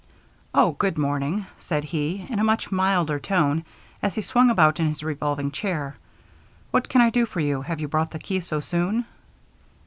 "Oh, good morning," said he, in a much milder tone, as he swung about in his revolving chair. "What can I do for you? Have you brought the key so soon?"